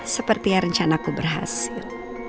seperti yang rencanaku berhasil